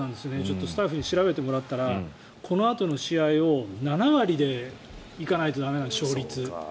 スタッフに調べてもらったらこのあとの試合を７割でいかないと駄目なんです、勝率。